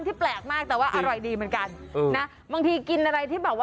แต่เด็กผมก็กินกับ